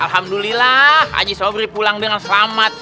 alhamdulillah haji sobri pulang dengan selamat